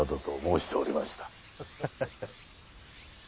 ハハハ。